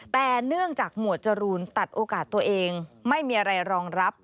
แต่เนื่องจากหมวดจรูนตัดโอกาสตัวเองไม่มีอะไรรองรับ